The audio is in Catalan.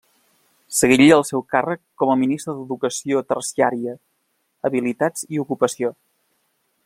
Seguiria el seu càrrec com a Ministre d'Educació Terciària, Habilitats i Ocupació.